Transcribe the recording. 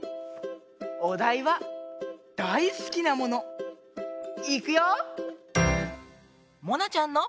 おだいは「だいすきなもの」。いくよ！もなちゃんの。